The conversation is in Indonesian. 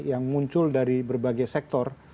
yang muncul dari berbagai sektor